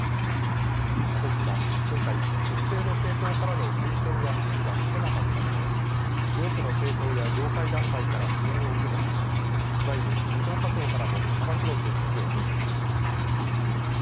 阿部氏は今回、特定の政党からの推薦や支持は受けなかったものの多くの政党や業界団体から支援を受けたほかいわゆる無党派層からも幅広く支持を集めました。